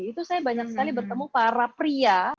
itu saya banyak sekali bertemu para pria